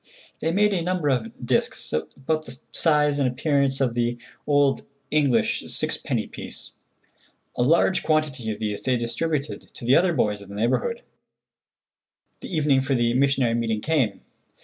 They made a number of disks, about the size and appearance of the old English six penny piece. A large quantity of these they distributed to the other boys of the neighborhood. The evening for the missionary meeting came.